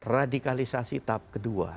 radikalisasi tahap kedua